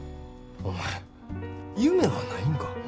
お前夢はないんか？